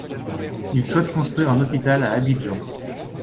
Il souhaite construire un hôpital à Abidjan.